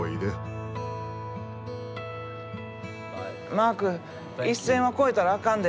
マーク一線は越えたらあかんで。